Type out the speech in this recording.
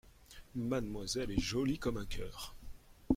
Mademoiselle est jolie comme un cœur !